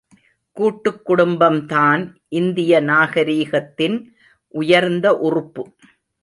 கூட்டுக் குடும்பம்தான் இந்திய நாகரீகத்தின் உயர்ந்த உறுப்பு.